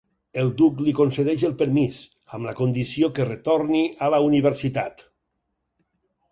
El duc li concedeix el permís, amb la condició que retorni a la universitat.